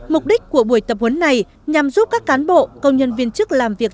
mục đích của buổi tập huấn này nhằm giúp các cán bộ công nhân viên chức làm việc